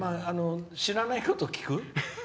知らないこと聞く。